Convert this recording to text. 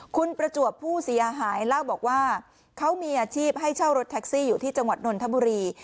คุณประจวบผู้เสียหายเล่าบอกว่าเขามีอาชีพให้เช่ารถแท็กซี่อยู่ที่จังหวัดนนทบุรี